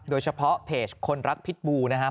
โดยเฉพาะเพจคนรักพิษบูนะครับ